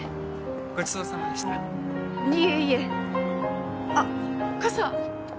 ごちそうさまでしたいえいえあっ傘